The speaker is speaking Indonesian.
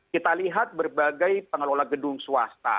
kita lihat berbagai pengelola gedung swasta